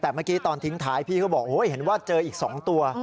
แต่เมื่อกี้ตอนทิ้งท้ายพี่ก็บอกเห็นว่าเจออีก๒ตัว